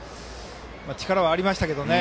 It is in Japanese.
力はありましたけどね。